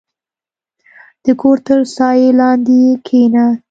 • د کور تر سایې لاندې کښېنه.